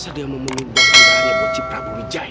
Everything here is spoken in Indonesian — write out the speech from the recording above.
sedia mau memindahkan darahnya bu ciprabu widjaya